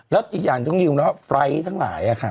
แล้วอีกอย่างที่ต้องดูไฟล์ทั้งหลาย